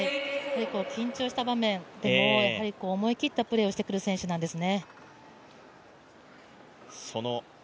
緊張した場面でも思い切ったプレーをしてくる選手なんです。